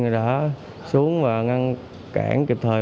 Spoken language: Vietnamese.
đã xuống và ngăn cản kịp thời